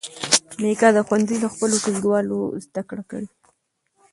میکا د ښوونځي له خپلو ټولګیوالو زده کړې کوي.